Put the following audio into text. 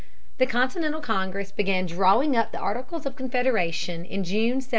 The Continental Congress began drawing up the Articles of Confederation in June, 1776.